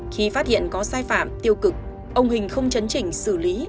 khi phát hiện có sai phạm tiêu cực ông hình không chấn chỉnh xử lý